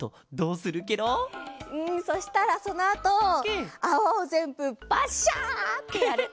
うんそうしたらそのあとあわをぜんぶバッシャってやる。